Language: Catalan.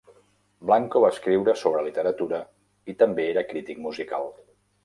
Blanco va escriure sobre literatura i també era crític musical.